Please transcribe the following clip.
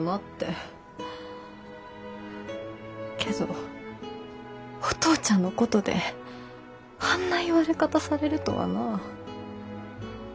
けどお父ちゃんのことであんな言われ方されるとはなぁ。